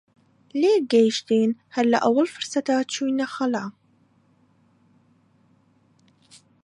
لێک گەیشتین هەر لە ئەووەڵ فرسەتا چووینە خەلا